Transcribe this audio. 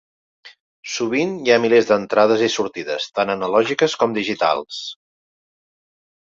Sovint hi ha milers d'entrades i sortides, tant analògiques com digitals.